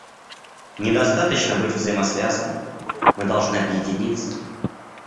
Недостаточно быть взаимосвязанными; мы должны объединиться.